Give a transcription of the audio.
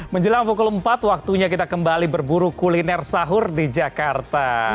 menjelang pukul empat waktunya kita kembali berburu kuliner sahur di jakarta